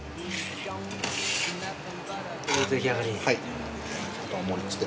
はい。